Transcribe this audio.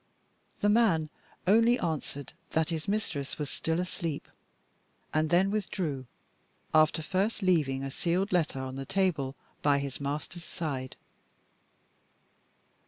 The man only answered that his mistress was still asleep, and then withdrew, after first leaving a sealed letter on the table by his master's side.